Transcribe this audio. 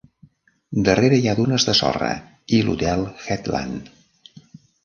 Darrere hi ha dunes de sorra i l'hotel Headland.